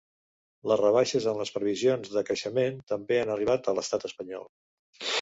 Les rebaixes en les previsions de creixement també han arribat a l’estat espanyol.